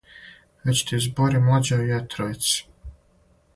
"Већ ти збори млађој јетрвици."